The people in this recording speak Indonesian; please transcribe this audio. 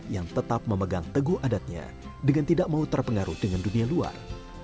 yang tetap memegang teguh adatnya dengan tidak mau terpengaruh dengan dunia luar